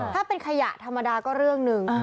ถ้าเป็นขยะธรรมดาก็เรื่องหนึ่ง